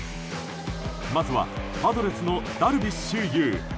まずはパドレスのダルビッシュ有。